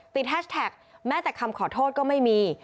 แฮชแท็กแม้แต่คำขอโทษก็ไม่มี